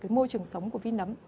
cái môi trường sống của vi nấm